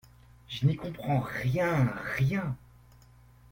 Je n’y comprends rien, rien.